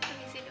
ini sih dok